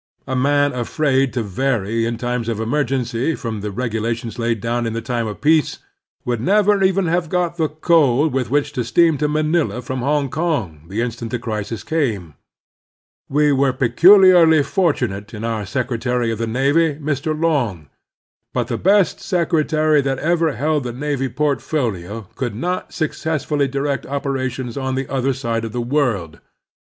A man afraid to vary in times of emergency from the regulations laid down in time of peace would never even have got the coal with which to steam to Manila from Hongkong the instant the crisis came. We were peculiarly fortunate in our Secre tary of the Navy, Mr. Long ; but the best secretary that ever held the navy portfolio could not suc cessfully direct operations on the other side of the world.